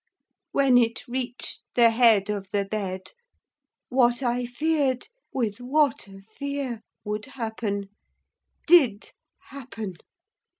When it reached the head of the bed, what I feared with what a fear! would happen, did happen.